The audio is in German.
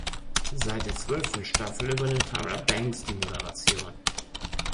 Seit der zwölften Staffel übernimmt Tyra Banks die Moderation.